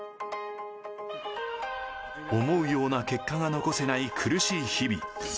思うような結果が残せない苦しい日々。